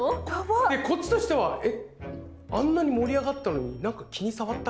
でこっちとしてはあんなに盛り上がったのに何か気に障ったかなって。